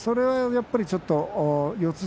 やっぱりちょっと四つ